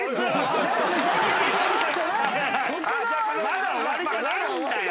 まだ終わりじゃないんだよ？